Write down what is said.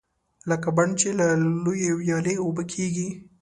لکه بڼ چې له یوې ویالې اوبه کېږي.